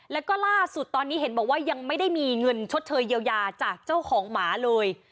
แล้วก็ล่าสุดตอนนี้เห็นบอกว่ายังไม่ได้มีเงินชดเชยเยียวยาจากเจ้าของหมาเลย